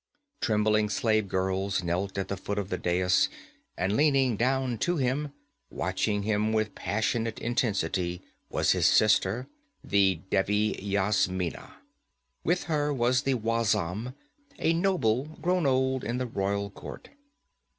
Trembling slave girls knelt at the foot of the dais, and leaning down to him, watching him with passionate intensity, was his sister, the Devi Yasmina. With her was the wazam, a noble grown old in the royal court.